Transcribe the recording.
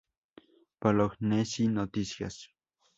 Bolognesi Noticias.